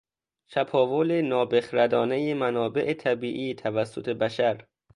چپاول نابخردانهی منابع طبیعی توسط بشر